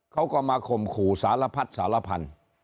เขาก็มาข่มขู่สารพัดสารพันธุ์